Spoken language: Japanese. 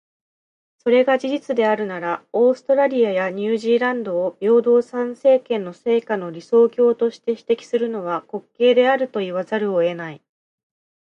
それが事実であるなら、オーストラリアやニュージーランドを平等参政権の成果の理想郷として指摘するのは、滑稽であると言わざるを得ない。